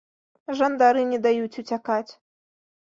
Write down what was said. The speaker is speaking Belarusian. Жандары не даюць уцякаць.